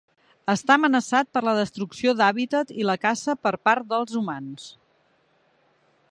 Està amenaçat per la destrucció d'hàbitat i la caça per part dels humans.